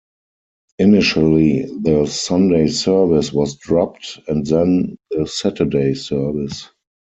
Initially, the Sunday service was dropped, and then the Saturday service.